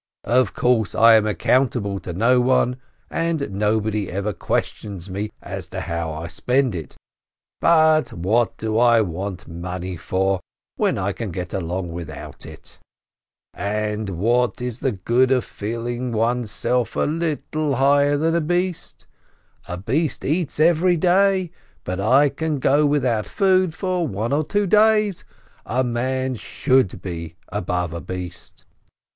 Of course, I am accountable to no one, and nobody ever questions me as to how I spend it, but what do I want money for, when I can get along without it ? "And what is the good of feeling one's self a little higher than a beast ? A beast eats every day, but I can go without food for one or two days. A man should be above a beast